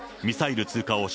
ミサイル通過。